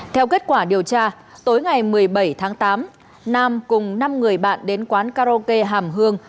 theo kết quả điều tra tối ngày một mươi bảy tháng tám nam cùng năm người bạn đến quán karaoke hàm hương